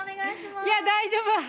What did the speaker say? いや大丈夫！